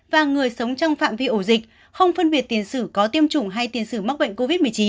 và người sống trong phạm vi ổ dịch không phân biệt tiến sử có tiêm chủng hay tiến sử mắc bệnh covid một mươi chín